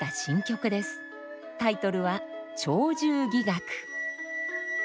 タイトルは「鳥獣戯楽」。